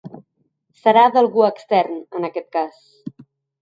Serà algú extern, en aquest cas.